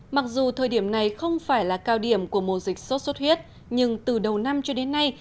mặc dù thời điểm này không phải là cao điểm của mùa dịch sốt xuất huyết nhưng từ đầu năm cho đến nay